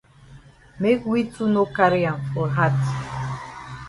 Make we too no carry am for hat.